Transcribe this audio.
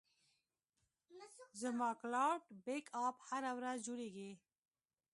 زما کلاوډ بیک اپ هره ورځ جوړېږي.